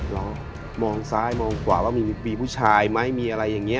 ลองมองซ้ายมองขวาว่ามีผู้ชายไหมมีอะไรอย่างนี้